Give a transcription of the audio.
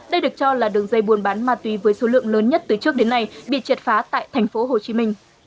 đây được cho là đường dây buôn bán ma túy với số lượng lớn nhất từ trước đến nay bị triệt phá tại tp hcm